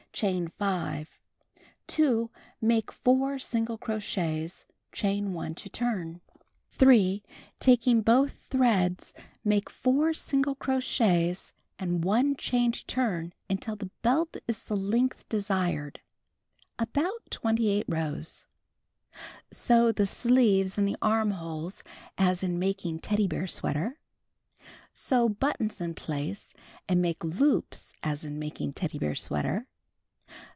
Chain 5. 2. Make 4 single crochets. Chain 1 to turn. 3. Taking both threads, make 4 single crochets and 1 chain to turn until the belt is the length desired. (About 28 rows.) Sew the sleeves in the armholes as in making Teddy Bear Sweater (see page 133). Sew ])uttons in place and make loops as in making Teddy Bear Sweater.